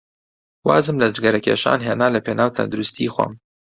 وازم لە جگەرەکێشان هێنا لەپێناو تەندروستیی خۆم.